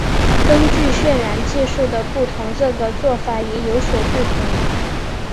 根据渲染技术的不同这个做法也有所不同。